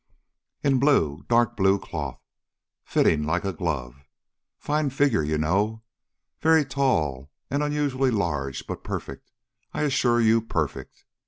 "In blue; dark blue cloth, fitting like a glove. Fine figure, you know, very tall and unusually large, but perfect, I assure you, perfect.